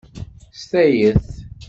S tayet.